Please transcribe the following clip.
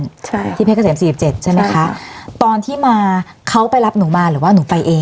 ใช่ที่เพชรเกษมสี่สิบเจ็ดใช่ไหมคะตอนที่มาเขาไปรับหนูมาหรือว่าหนูไปเอง